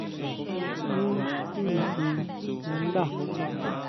¿ʼÑu timijin nandá?